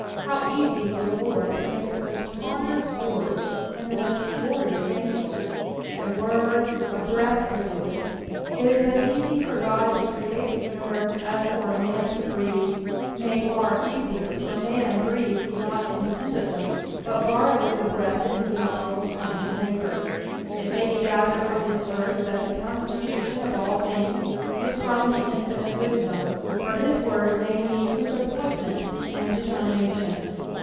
How easy for the Lord to make the most ponderous orbs, and the must glorious angels I A word, a breath could do it. It is as easy for Ood to create the universe as for a man to breathe, nay, far easier, for man breathts not independently, but borrows the breath in hia nostrils from his Muker. It may be gacbered from tliis verse that tlic consti tution of all things is from the infiaite wisdom, fur his word may mean his ■ppointment and determination.